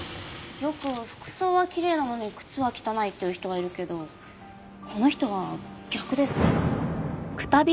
よく服装はきれいなのに靴は汚いっていう人がいるけどこの人は逆ですね。